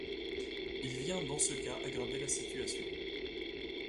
Il vient dans ce cas aggraver la situation.